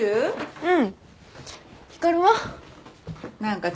うん。